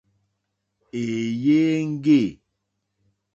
Èèyé éŋɡê.